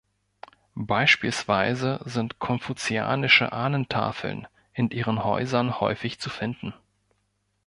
Beispielsweise sind konfuzianische Ahnentafeln in ihren Häusern häufig zu finden.